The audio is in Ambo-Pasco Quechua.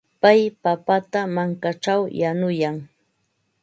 Pay papata mankaćhaw yanuyan.